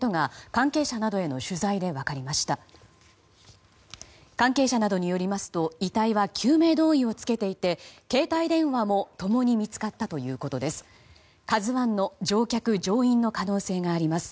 関係者などによりますと遺体は救命胴衣を着けていて携帯電話も共に見つかったということです。